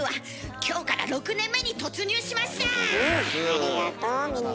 ありがとうみんな。